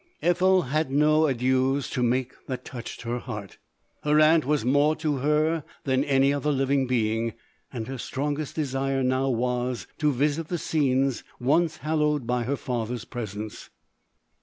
Ethel had no adieus to make that touched her heart. Her aunt was more to her than any other living being, and her strongest desire now was, to visit the scenes once hallowed by her father's presence.